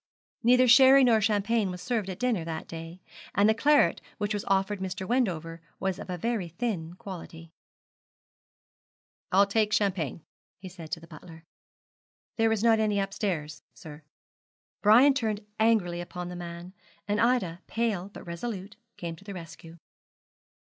Neither sherry nor champagne was served at dinner that day, and the claret which was offered Mr. Wendover was of a very thin quality. 'I'll take champagne,' he said to the butler. 'There is not any upstairs, sir.' Brian turned angrily upon the man, and Ida, pale but resolute, came to the rescue.